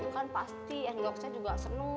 kan pasti endorse nya juga senang